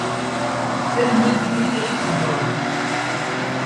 Tanemmirt imi ay iyi-d-txebbrem.